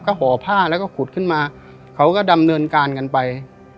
ก็ห่อผ้าแล้วก็ขุดขึ้นมาเขาก็ดำเนินการกันไป